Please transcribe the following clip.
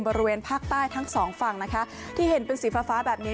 บริเวณภาคใต้ทั้งสองฝั่งนะคะที่เห็นเป็นสีฟ้าฟ้าแบบนี้